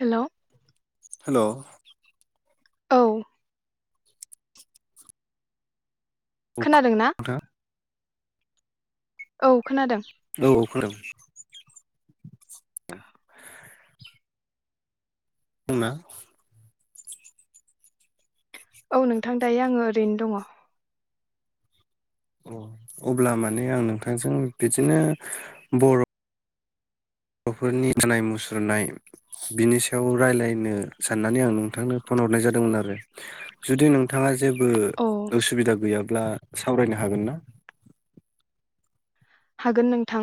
Hello. Hello. औ। खोनादों ना? नोंथां औ। खोनादों औ औ खोनादों। [unintelligible] औ नोंथां दायो आङो ओरैनो दङ। अ अब्ला माने आं नोंथांजों बिदिनो बर' बर'फोरनि मोसानाय मुसुरनाय बिनि सायाव रायलायनो साननानै आं नोंथांनो फन हरनाय जादोंमोन आरो जुदि नोंथाङा जेबो औ उसुबिदा गैयाब्ला सावरायनो हागोन ना हागोन नोंथां।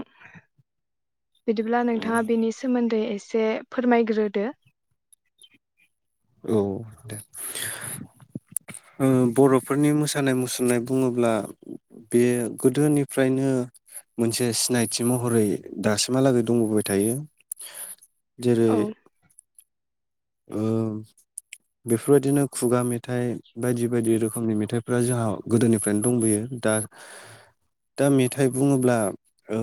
बिदिब्ला नोंथाङा बेनि सोमोन्दै एस से फोरमायग्रोदो। औ दे। ओ बर'फोरनि मोसानाय मुसुरनाय बुङोब्ला बे गोदोनिफ्रायनो मोनसे सिनायथि महरै दासिमहालागै दंबोबाय थायो‌। जेरै औ ओ बेफोरबायदिनो खुगा मेथाइ बायदि बायदि रोखोमनि मेथाइफ्रा जोंहा गोदोनिफ्रायनो दंबोयो दा दा मेथाइ बुङोब्ला ओ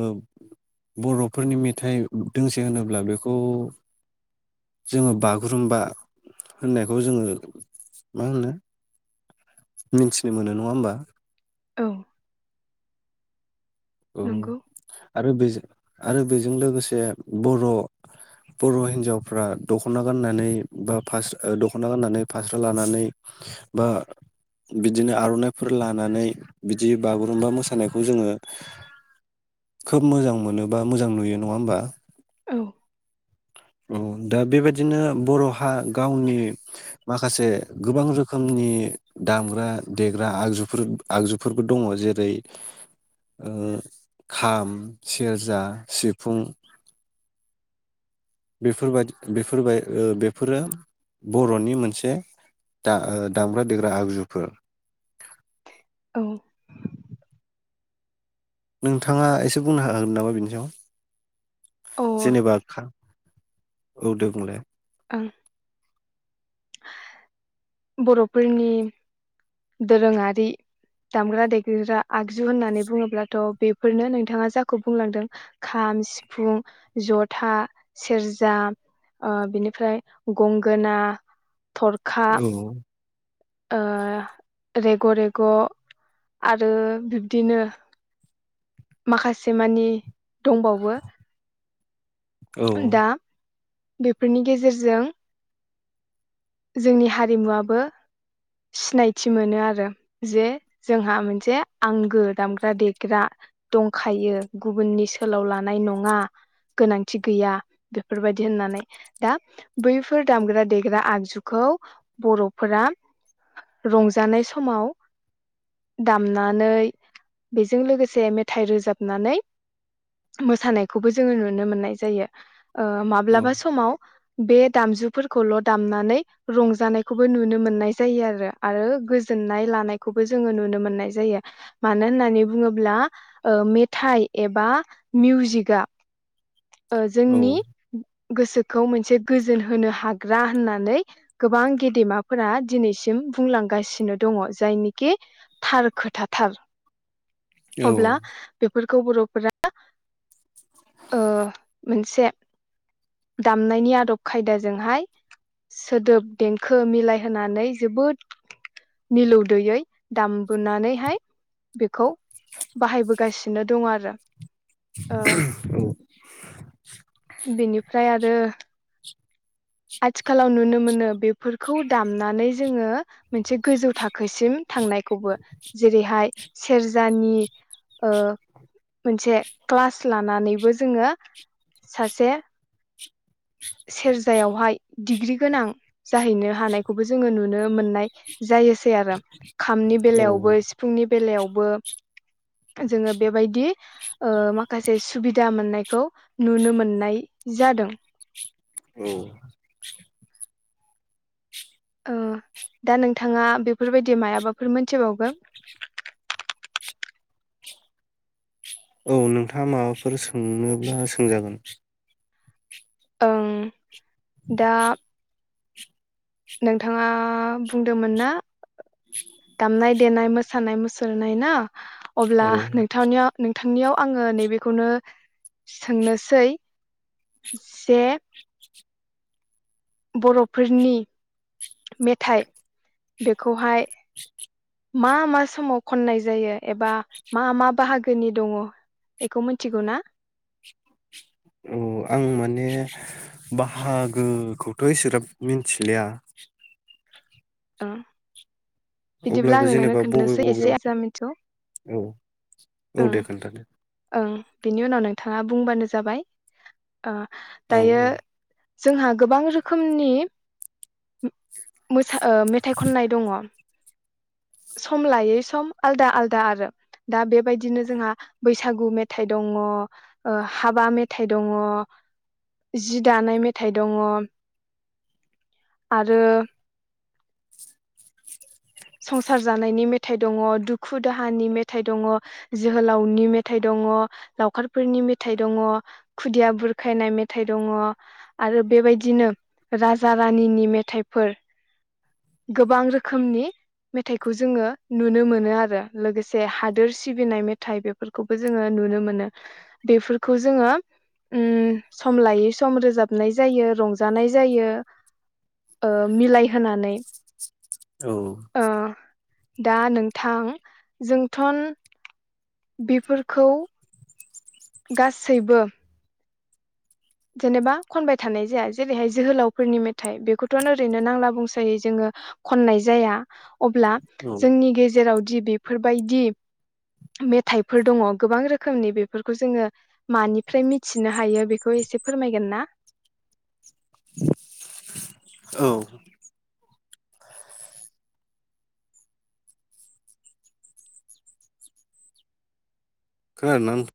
बर'फोरनि मेथाइ दोंसे होनोब्ला बेखौ जोङो बागुरुम्बा होननायखौ जोङो मा होनो मिन्थिनो मोनो नङा होमबा। औ। औ नंगौ आरो बेजों आरो बेजों लोगोसे बर' बर' हिनजावफ्रा दख'ना गाननानै बा फास ओ दख'ना गाननानै फास्रा लानानै बा बिदिनो आर'ननाइफोर लानानै बिदि बागुरुमबा मोसानायखौ जोङो खोब मोजां मोनोबा मोजां नुयो नङा ओमबा। औ औ दा बेबायादिनो बर'हा गावनि माखासे गोबां रोखोमनि दामग्रा देग्रा आगजुफोर आगजुफोरबो दङ जेरै ओ खाम सेरजा सिफुं बेफोरबादि बेफोरबाय ओ बेफोरो बर'नि मोनसे दा ओ दामग्रा देग्रा आगजुफोर औ नोंथाङा एसे बुंनो हागोन नामा बिनि सायाव? अ ओं जेनेबा खा औ दे बुंलाय ओं बर'फोरनि दोरोङारि दामग्रा देगग्रा आगजु होननानै बुङोब्लाथ' बेफोरनो नोंथाङा जाखौ बुंलांदों खाम सिफुं जथा सेरजा ओ बिनिफ्राय गंगोना थरखा औ ओ रेग' रेग' आरो बिब्दिनो माखासे मानि दंबावो। औ। दा बेफोरनि गेजेरजों जोंनि हारिमुवाबो सिनायथि मोनो आरो जे जोंहा मोनसे आंगो दामग्रा देग्रा दंखायो गुबुननि सोलाव लानाय नङा गोनांथि गैया बेफोरबायदि होननानै दा बैफोर दामग्रा देग्रा आगजुखौ खौ बर'फोरा रंजानाय समाव दामनानै बेजों लोगोसे मेथाइ रोजाबनानै मोसानायखौबो जोंङो नुनो मोननाय जायो। औ माब्लाबा समाव बे दामजुफोरखौल' दामनानै रंजानायखौबो नुनो मोननाय जायो आरो आरो गोजोननाय लानायखौबो जोङो नुनो मोननाय जायो मानो होननानै बुङोब्ला ओ मेथाइ एबा मिउजिकआ। ओ जोंनि गोसोखौ मोनसे गोजोन होनो हाग्रा होननानै गोबां गेदेमाफोरा दिनैसिम बुंलांगासिनो दङ जायनिखि थार खोथाथार। औ अब्ला बे फोरफोरखौ बर'फोरा ओ मोनसे दामनायनि आदब खायदाजोंहाय सोदोब देंखो मिलायहोनानै जोबोद मिलौदोयै दामबोनानैहाय बेखौ बाहायबोगासिनो दं आरो। ओ बेनिफ्राय आरो आथिखालाव नुनो मोनो बे फोरखौ दामनानै जोंङो मोनसे गोजौ थाखोसिम थांनायखौबो जेरैहाय सेरजानि मोनसे क्लास लानानैबो जोङो सासे सेरजायावहाय डिग्रि गोनां जाहैनो हानायखौबो जोंङो नुनो मोननाय जायोसै आरो। खामनि बेलायावबो सिफुंनि बेलायावबो जोंङो बेबायदि ओ माखासे सुबिदा मोननायखौ नुनो मोननाय जादों। औ ओ दा नोंथाङा बेफोरबायदि मायबाफोर मोनथिबावगोन? औ नोंथाङा माबाफोर सोंनोब्ला सोंजागोन? ओं दा नोंथाङा बुंदोंमोन ना दामनाय देनाय मोसानाय मुसुरनाय ना अब्ला औ नोंथांनियाव नोंथांनियाव आंङो नैबेखौनो सोंनोसै जे बर'फोरनि मेथाइ बेखौहाय मा मा समाव खननाय जायो एबा मा मा बाहागोनि दङ बेखौ मिथिगौ ना? औ आं माने बाहागोखौथ' एसेग्राब मिथिलिया। ओं बिदिब्ला आं अब्लाबो नोंनो जेनेबा बबे खोन्थानोसै एसे आं जा मिथिगौ बबेयाव औ औ ओं दे खोन्थादो। ओं बिनि उनाव नोंथाङा बुंबानो जाबाय। ओ औ दायो औ जोंहा गोबां रोखोम रोखोमनि मोसा मेथाइ खननाय दङ। सम लायै सम आलदा आलदा आरो दा बेबायदिनो जोंहा बैसागु मेथाइ दङ ओ हाबा मेथाइ दङ जि दानाय मेथाइ दङ आरो संसार जानायनि मेथाइ दङ, दुखु दाहानि मेथाइ दङ, जोहोलावनि मेथाइ दङ, लावखारफोरनि मेथाइ दङ, खुदिया बुरखायनाय मेथाइ दङ। आरो बेबायदिनो राज जा रानिनि मेथाइफोर गोबां रोखोमनि मेथाइखौ जोङो नुनो मोनो आरो लोगोसे हादोर सिबिनाय मेथाइ बेफोरखौबो जोङो नुनो मोनो। बेफोरखौ जोङो उम सम लायै - सम रोजाबनाय जायो रंजानाय जायो ओ मिलायहोनानै। औ। ओ दा नोंथां जोंथन बेफोरखौ गासैबो जेनेबा खनबाय थानाय जाया। जेरैहाय जोहोलावफोरनि मेथाइ बेखौथ' ओरैनो नांला बंसायै जोङो खननाय जाया। अब्ला औ जोंनि गेजेराव दि बेफोरबायदि मेथाइफोर दङ गोबां रोखोमनि बेफोरखौ जोङो मानिफ्राय मिथिनो हायो बेखौ एसे फोरमायगोन ना? औ। खोनादोंना नों